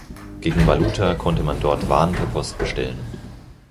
Gegen Valuta konnte man dort Waren per Post bestellen.